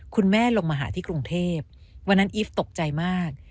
คุณแม่ลงมาหาที่กรุงเทพวันนั้นอีฟตกใจมาก